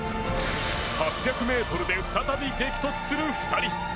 ８００ｍで再び激突する２人。